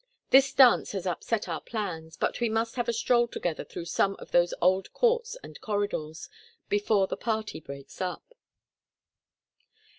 This dance has upset our plans, but we must have a stroll together through some of those old courts and corridors before the party breaks up."